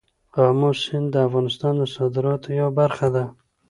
آمو سیند د افغانستان د صادراتو یوه برخه ده.